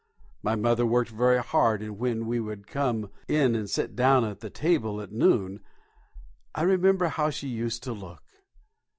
My mother worked very hard, and when we would come in and sit down at the table at noon, I remember how she used to look.